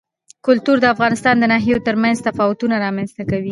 کلتور د افغانستان د ناحیو ترمنځ تفاوتونه رامنځ ته کوي.